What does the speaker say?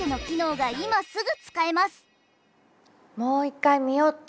もう一回見よっと！